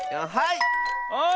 はい！